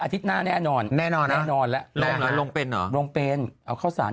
อาทิตย์หน้าแน่นอนแน่นอนแน่นอนแล้วลงลงลงเป็นเหรอลงเป็นเอาข้าวสาร